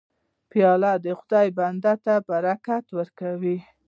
پیاله د خدای بنده ته برکت ورکوي.